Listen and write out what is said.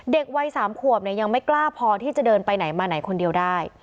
เด็กวัยสามขวบเนี่ยยังไม่กล้าพอที่จะเดินไปไหนมาไหนคนเดียวได้